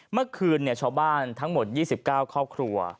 เมื่อคืนชาวบ้านทั้งหมด๒๙ครอบครัว